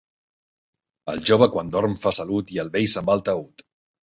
El jove quan dorm fa salut i el vell se'n va al taüt.